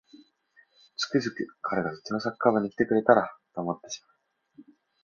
つくづく彼がうちのサッカー部に来てくれたらと思ってしまう